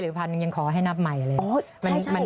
๕๐๐หรือ๑๐๐๐ยังขอให้นับใหม่เลย